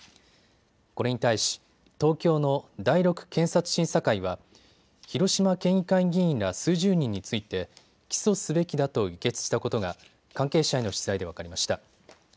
これに対し東京の第６検察審査会は広島県議会議員ら数十人について起訴すべきだと議決したことが関係者への取材で分かりました。